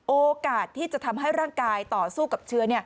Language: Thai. โอกาสที่จะทำให้ร่างกายต่อสู้กับเชื้อ